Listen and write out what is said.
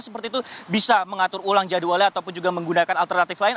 seperti itu bisa mengatur ulang jadwalnya ataupun juga menggunakan alternatif lain